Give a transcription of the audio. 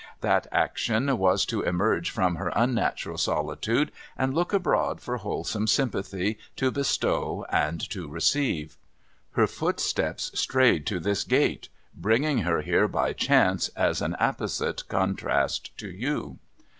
That action was, to emerge from her unnatural solitude, and look abroad for wholesome sympathy, to bestow and to receive. Her footsteps strayed to this gate, bringing her here by chance, as an apposite contrast to you.